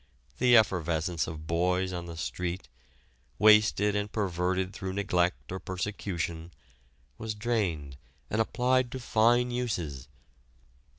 The effervescence of boys on the street, wasted and perverted through neglect or persecution, was drained and applied to fine uses.